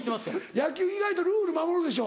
野球意外とルール守るでしょ？